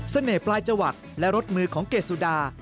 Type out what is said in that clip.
เสน่ห์ปลายจวัตรและรสมือของเกษุดา